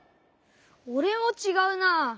おれもちがうなあ。